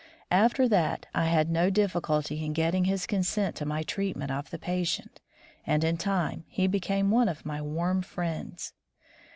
After that, I had no difficulty in getting his consent to my treatment of the patient, and in time he became one of my warm friends.